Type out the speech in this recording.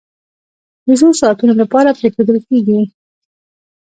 د څو ساعتونو لپاره پرېښودل کېږي.